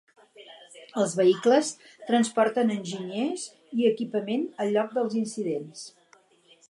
Els vehicles transporten enginyers i equipament al lloc dels incidents.